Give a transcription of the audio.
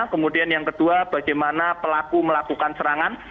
kemudian yang kedua bagaimana pelaku melakukan serangan